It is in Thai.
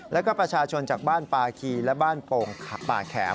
แล้วก็ประชาชนจากบ้านปาคีและบ้านโป่งป่าแขม